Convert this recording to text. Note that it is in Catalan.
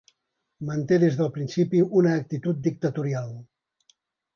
Manté des del principi una actitud dictatorial.